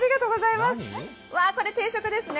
これ定食ですね。